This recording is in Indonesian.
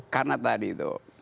karena tadi tuh